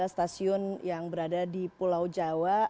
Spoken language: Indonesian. dua belas stasiun yang berada di pulau jawa